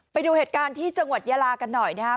ไปดูเหตุการณ์ที่จังหวัดยาลากันหน่อยนะครับ